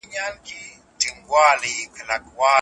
ده د سهار وختي پاڅېدل د روغ ژوند برخه بلله.